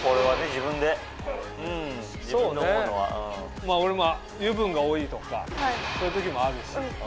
まぁ俺も油分が多いとかそういう時もあるし。